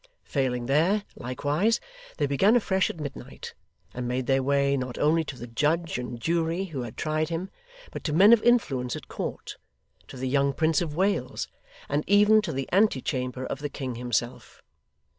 Failing there, likewise, they began afresh at midnight; and made their way, not only to the judge and jury who had tried him, but to men of influence at court, to the young Prince of Wales, and even to the ante chamber of the King himself.